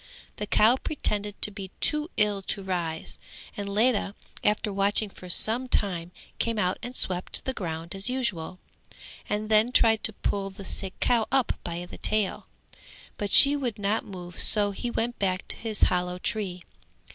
The cow pretended to be too ill to rise, and Ledha after watching for some time came out and swept the ground as usual, and then tried to pull the sick cow up by the tail; but she would not move so he went back to his hollow tree.